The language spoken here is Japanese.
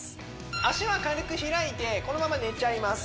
足は軽く開いてこのまま寝ちゃいます